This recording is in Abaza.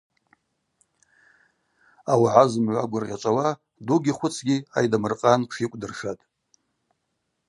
Ауагӏа зымгӏва гвыргъьачӏвауа дугьи хвыцгьи Айдамыр-къан тшйыкӏвдыршатӏ.